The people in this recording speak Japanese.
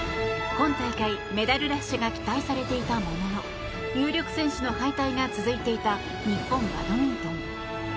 今大会、メダルラッシュが期待されていたものの有力選手の敗退が続いていた日本バドミントン。